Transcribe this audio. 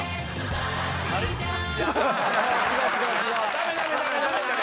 ダメダメダメダメダメ！